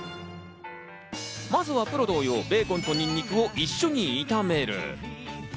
まずはプロ同様、ベーコンとニンニクを一緒に炒める。